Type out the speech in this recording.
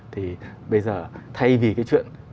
thì bây giờ thay vì cái chuyện